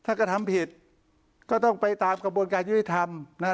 ถ้ากระทำผิดก็ต้องไปตามกระบวนการยุติธรรมนะฮะ